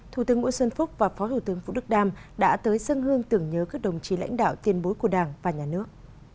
thủ tướng nguyễn xuân phúc và phó thủ tướng vũ đức đam đã tới dân hương tưởng nhớ các đồng chí lãnh đạo tiên bối của đảng và nhà nước